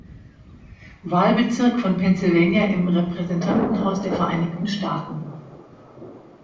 Wahlbezirk von Pennsylvania im Repräsentantenhaus der Vereinigten Staaten.